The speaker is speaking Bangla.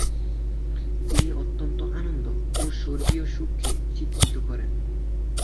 তিনি অনন্ত আনন্দ ও স্বর্গীয় সুখকে চিত্রিত করেন।